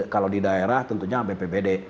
kalau di daerah tentunya bpbd